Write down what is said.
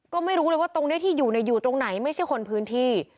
ก็ไม่รู้เลยว่าตรงนี้ที่อยู่อยู่ตรงไหนไม่ใช่คนพื้นที่